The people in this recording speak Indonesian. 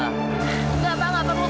nggak pak nggak perlu